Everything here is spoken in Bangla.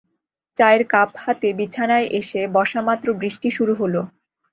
চায়ের কপি হাতে বিছানায় এসে বসামাত্র বৃষ্টি শুরু হল।